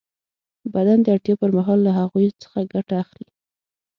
بدن د اړتیا پر مهال له هغوی څخه ګټه اخلي.